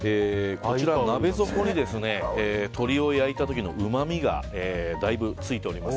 鍋底に鶏を焼いた時のうまみがだいぶついております。